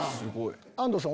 安藤さん